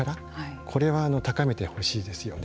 これは高めてほしいですよね。